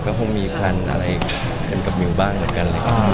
ก็ต้องมีอะไรเหินของมิวบ้างเหมือนกัน